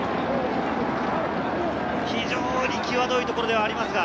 非常に際どいところではあります。